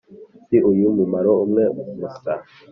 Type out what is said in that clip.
si uyu mumaro umwe musa